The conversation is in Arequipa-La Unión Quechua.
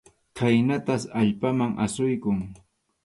Khaynatas allpaman asuykun.